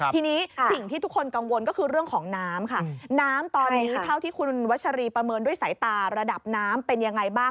ทีนี้สิ่งที่ทุกคนกังวลก็คือเรื่องของน้ำค่ะน้ำตอนนี้เท่าที่คุณวัชรีประเมินด้วยสายตาระดับน้ำเป็นยังไงบ้าง